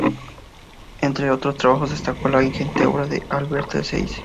Entre estos trabajos destacó la ingente obra de Adalbert Seitz.